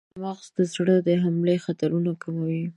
چارمغز د زړه د حملې خطر کموي.